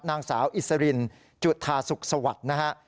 นางสาวอิสรินจุธาสุขสวัสดิ์นะฮะ